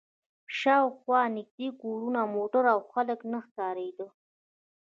شا و خوا نږدې کورونه، موټر او خلک نه ښکارېدل.